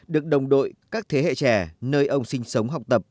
được đồng đội các thế hệ trẻ nơi ông sinh sống học tập